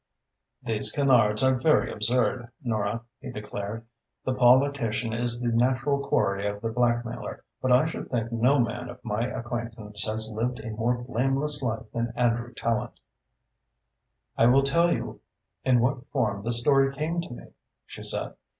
"These canards are very absurd, Nora," he declared. "The politician is the natural quarry of the blackmailer, but I should think no man of my acquaintance has lived a more blameless life than Andrew Tallente." "I will tell you in what form the story came to me," she said.